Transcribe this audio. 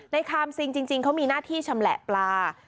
คามซิงจริงเขามีหน้าที่ชำแหละปลา